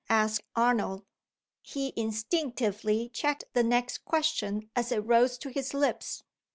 asked Arnold. He instinctively checked the next question as it rose to his lips.